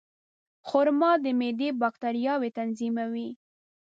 خرما د معدې باکتریاوې تنظیموي.